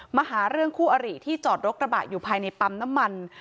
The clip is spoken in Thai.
มาหาเรื่องคู่อริที่จอดรถกระบะอยู่ภายในปั๊มน้ำมัน